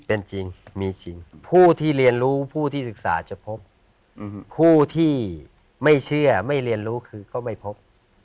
เป็นจริงมีจริงผู้ที่เรียนรู้ผู้ที่ศึกษาจะพบผู้ที่ไม่เชื่อไม่เรียนรู้คือก็ไม่พบ